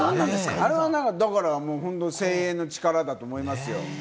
あれもう本当、声援の力だと思いますよ。